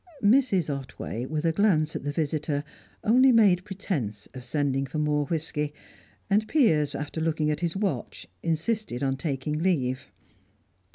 Mrs. Otway, with a glance at the visitor, only made pretence of sending for more whisky, and Piers, after looking at his watch, insisted on taking leave.